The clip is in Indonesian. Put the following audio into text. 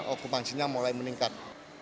okupansinya mulai meningkat